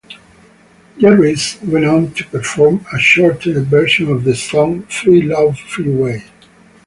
Gervais went on to perform a shortened version of the song "Freelove Freeway".